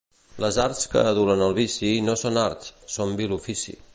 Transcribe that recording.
Les arts que adulen el vici no són arts, són vil ofici.